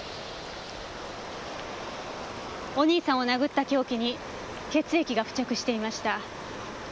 お兄さんを殴った凶器に血液が付着していました。